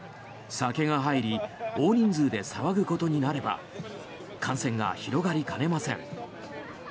酒が入り大人数で騒ぐことになれば感染が広がりかねません。